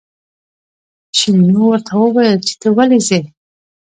شیرینو ورته وویل چې ته ولې ځې.